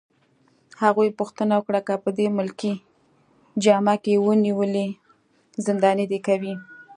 هغې پوښتنه وکړه: که په دې ملکي جامه کي ونیولې، زنداني دي کوي؟